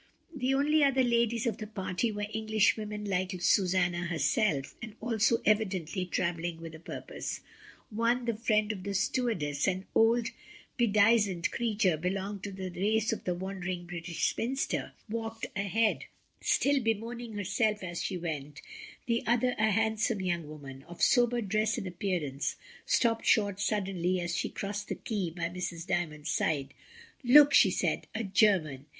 The only other ladies of the party were Englishwomen like Susanna herself, and also evidently travelling with a purpose. One, the friend of the stewardess, an old bedizened creature belonging to the race of the wandering British spinster, walked ahead still bemoaning herself as she went, the other a handsome young woman, of sober dress and appearance, stopped short suddenly as she crossed the quai by Mrs. Dymond's side. "Look!" she said, "a German!"